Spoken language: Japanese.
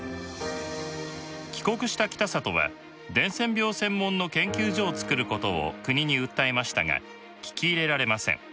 帰国した北里は伝染病専門の研究所をつくることを国に訴えましたが聞き入れられません。